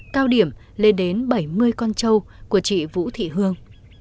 cao điểm lên đến bảy mươi con trâu của chị vũ thị hương